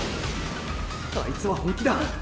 あいつは本気だ。